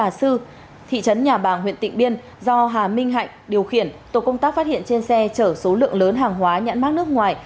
trà sư thị trấn nhà bàng huyện tịnh biên do hà minh hạnh điều khiển tổ công tác phát hiện trên xe chở số lượng lớn hàng hóa nhãn mát nước ngoài